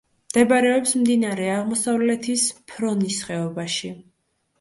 მდებარეობს მდინარე აღმოსავლეთის ფრონის ხეობაში.